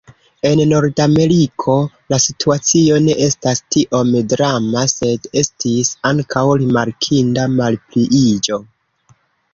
En Nordameriko la situacio ne estas tiom drama, sed estis ankaŭ rimarkinda malpliiĝo.